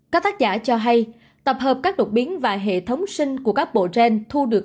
các tác giả cho hay tập hợp các đột biến và hệ thống sinh của các bộ gen thu được